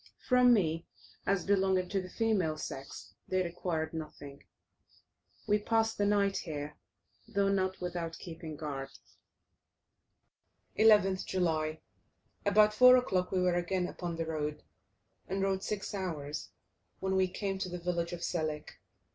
From me, as belonging to the female sex, they required nothing. We passed the night here, though not without keeping guard. 11th July. About 4 o'clock we were again upon the road, and rode six hours, when we came to the village of Selik.